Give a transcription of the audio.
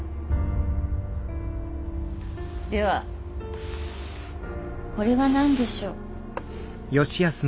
ではこれは何でしょう。